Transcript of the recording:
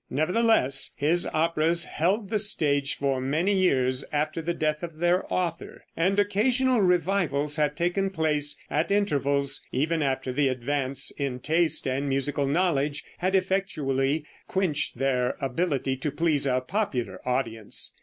Nevertheless, his operas held the stage for many years after the death of their author, and occasional revivals have taken place at intervals, even after the advance in taste and musical knowledge had effectually quenched their ability to please a popular audience.